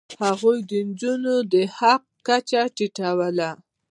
هغوی د نجونو د حق کچه ټیټوله.